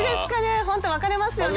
ホント分かれますよね。